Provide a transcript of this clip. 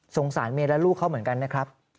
สารเมียและลูกเขาเหมือนกันนะครับ